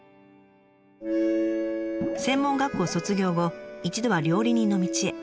専門学校卒業後一度は料理人の道へ。